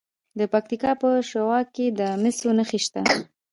د پکتیا په شواک کې د مسو نښې شته.